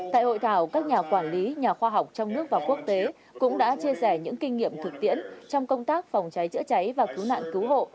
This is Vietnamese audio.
tại hội thảo các nhà quản lý nhà khoa học trong nước và quốc tế cũng đã chia sẻ những kinh nghiệm thực tiễn trong công tác phòng cháy chữa cháy và cứu nạn cứu hộ